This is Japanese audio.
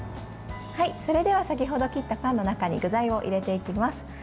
それでは先ほど切ったパンの中に具材を入れていきます。